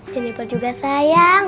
jeniper juga sayang